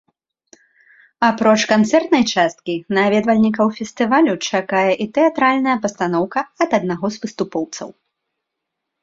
Апроч канцэртнай часткі, наведвальнікаў фестывалю чакае і тэатральная пастаноўка ад аднаго з выступоўцаў.